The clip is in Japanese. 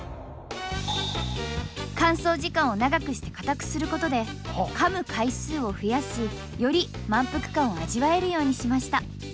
乾燥時間を長くして固くすることでかむ回数を増やしより満腹感を味わえるようにしました。